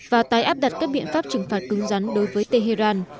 và tái áp đặt các biện pháp trừng phạt cứng rắn đối với tehran